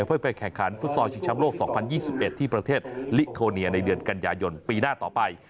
เพื่อไปแข่งขันฟุตซอลชิงช้ำโลก๒๐๒๑ที่ประเทศลิโทเนียในเดือนกันยายนปีหน้าต่อไป